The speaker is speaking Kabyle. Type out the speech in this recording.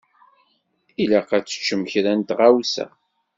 Ilaq ad teččem kra n tɣawsa.